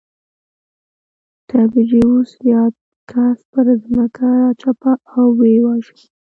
تبریوس یاد کس پر ځمکه راچپه او ویې واژه